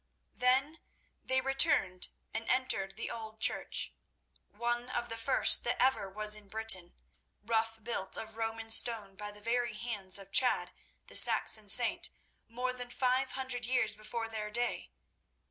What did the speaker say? Then they turned and entered the old church—one of the first that ever was in Britain, rough built of Roman stone by the very hands of Chad, the Saxon saint, more than five hundred years before their day.